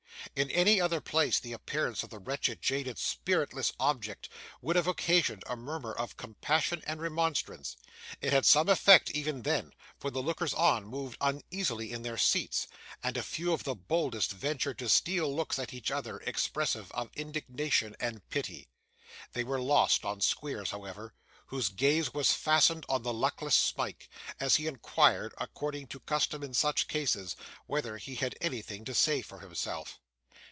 In any other place, the appearance of the wretched, jaded, spiritless object would have occasioned a murmur of compassion and remonstrance. It had some effect, even there; for the lookers on moved uneasily in their seats; and a few of the boldest ventured to steal looks at each other, expressive of indignation and pity. They were lost on Squeers, however, whose gaze was fastened on the luckless Smike, as he inquired, according to custom in such cases, whether he had anything to say for himself.